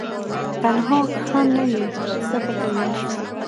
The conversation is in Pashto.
تنها ښه نه یې زه به دي یارسم